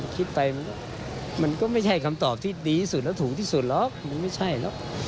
คิดไปมันก็ไม่ใช่คำตอบที่ดีที่สุดแล้วถูกที่สุดหรอกมันไม่ใช่หรอก